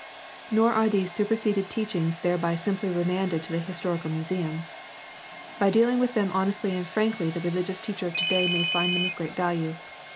Nor are these superseded teachings thereby simply remanded to the historical museum. By dealing with them honestly and frankly the religious teacher of today may find them of great value.